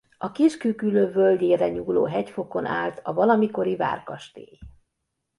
A Kis-Küküllő völgyére nyúló hegyfokon állt a valamikori várkastély.